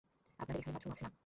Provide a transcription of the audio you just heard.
আপনাদের এখানে বাথরুম আছে না?